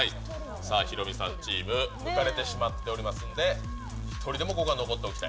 さあ、ヒロミさんチーム、分かれてしまっておりますので、１人でもここは残っておきたい。